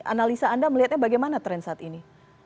analisa anda melihatnya bagaimana tren saat ini